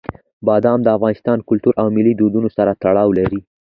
بادام د افغان کلتور او ملي دودونو سره تړاو لري.